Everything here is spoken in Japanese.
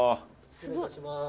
失礼します。